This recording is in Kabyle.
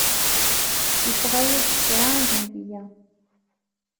Yesɣa-as-d kra i Dahbiya.